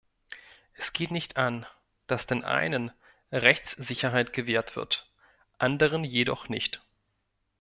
Es geht nicht an, dass den einen Rechtssicherheit gewährt wird, anderen jedoch nicht.